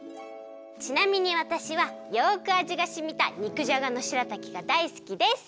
ちなみにわたしはよくあじがしみた肉じゃがのしらたきがだいすきです！